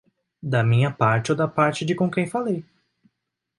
da minha parte ou da parte de com quem falei